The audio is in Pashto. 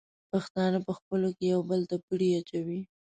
پښتانه په خپلو کې یو بل ته پړی اچوي.